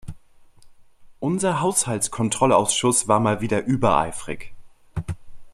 Unser Haushaltskontrollausschuss war mal wieder übereifrig.